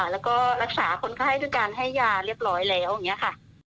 แล้วก็รักษาคนไข้ด้วยการให้ยาเรียบร้อยแล้วอย่างนี้ค่ะ